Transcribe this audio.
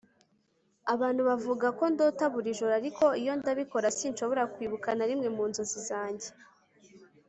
Abantu bavuga ko ndota buri joro ariko iyo ndabikora sinshobora kwibuka na rimwe mu nzozi zanjye